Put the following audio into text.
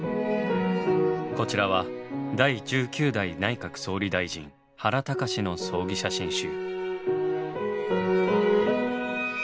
こちらは第１９代内閣総理大臣原敬の葬儀写真集。